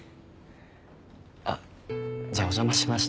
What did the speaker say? あっじゃあお邪魔しました。